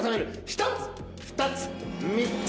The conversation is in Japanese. １つ２つ３つ。